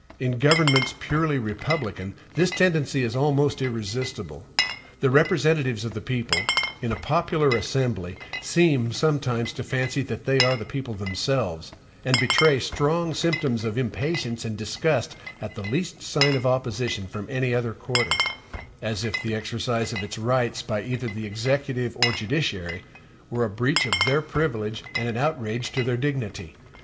In governments purely republican, this tendency is almost irresistible. The representatives of the people, in a popular assembly, seem sometimes to fancy that they are the people themselves, and betray strong symptoms of impatience and disgust at the least sign of opposition from any other quarter; as if the exercise of its rights, by either the executive or judiciary, were a breach of their privilege and an outrage to their dignity.